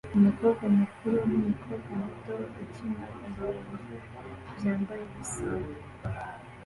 Umukobwa mukuru numukobwa muto ukina ibirenge byambaye ubusa